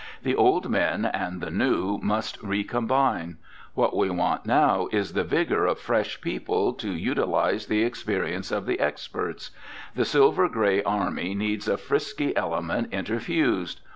The old men and the new must recombine. What we want now is the vigor of fresh people to utilize the experience of the experts. The Silver Gray Army needs a frisky element interfused.